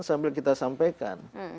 sambil kita sampaikan